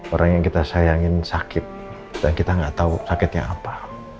orang yang kita sayangin sakit dan kita nggak tahu sakitnya apa